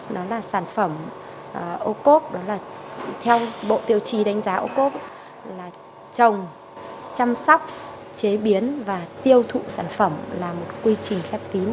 nó là sản phẩm ô cốt theo bộ tiêu chí đánh giá ô cốt là trồng chăm sóc chế biến và tiêu thụ sản phẩm là một quy trình khép kín